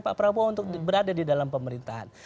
pak prabowo untuk berada di dalam pemerintahan